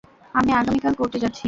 আমি আগামীকাল কোর্টে যাচ্ছি।